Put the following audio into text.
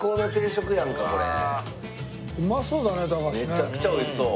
めちゃくちゃおいしそう。